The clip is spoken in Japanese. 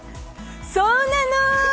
そうなの！